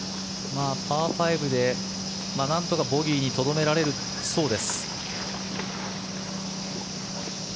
パー５でなんとかボギーにとどめられそうです。